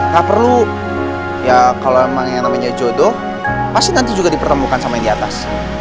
tak perlu ya kalau emang yang namanya jodoh pasti nanti juga dipertemukan sama diatas